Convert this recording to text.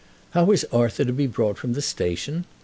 "How is Arthur to be brought from the station?"